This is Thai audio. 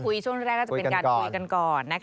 ช่วงแรกก็จะเป็นการคุยกันก่อน